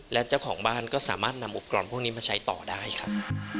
และเจ้าของบ้านก็สามารถนำอุปกรณ์พวกนี้มาใช้ต่อได้ครับ